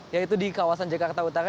yaitu di kawasan jakarta utara